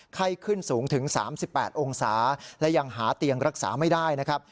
ไข้ขึ้นสูงถึง๓๘องศาและยังหาเตียงรักษาไม่ได้นะครับ